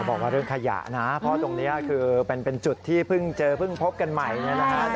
บอกว่าเรื่องขยะนะเพราะตรงนี้คือเป็นจุดที่เพิ่งเจอเพิ่งพบกันใหม่เนี่ยนะฮะ